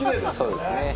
そうですね。